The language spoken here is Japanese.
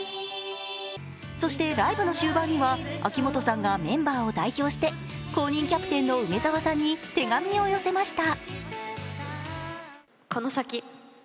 そしてライブの終盤には秋元さんがメンバーを代表して後任キャプテンの梅澤さんに手紙を寄せました。